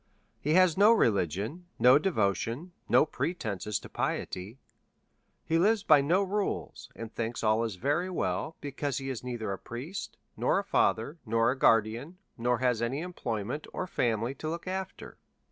He has no religion, no devotion, no pretences to piety. He lives by no rules, and thinks all is very well, because he is neither a priest, nor a father, nor a guardian, nor has any employment or family to look after.